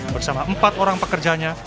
bersama empat orang pekerjanya